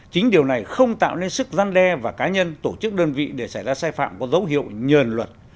chính điều này không tạo nên sức gian đe và cá nhân tổ chức đơn vị để xảy ra sai phạm có dấu hiệu nhờn luật